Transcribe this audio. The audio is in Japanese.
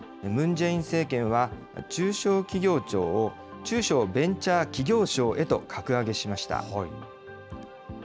ムン・ジェイン政権は、中小企業庁を、中小ベンチャー企業省へと格上げしました。